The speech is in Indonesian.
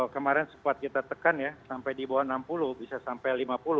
kemarin sempat kita tekan ya sampai di bawah enam puluh bisa sampai lima puluh